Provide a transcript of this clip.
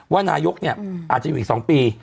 ว่านายกเนี่ยอาจจะอยู่อีก๒ปี